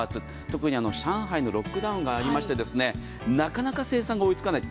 特に上海のロックダウンがありましてなかなか生産が追いつかない。